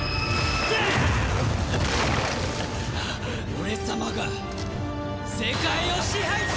俺様が世界を支配する！